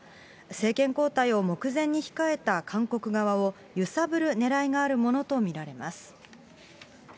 政権交代を目前に控えた韓国側を、揺さぶるねらいがあるものと見られます。